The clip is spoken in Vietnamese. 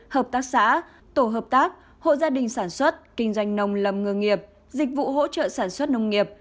hợp tác xã tổ hợp tác hộ gia đình sản xuất kinh doanh nông lâm ngư nghiệp dịch vụ hỗ trợ sản xuất nông nghiệp